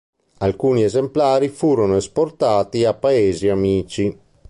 Alcuni esemplari furono esportati a Paesi amici.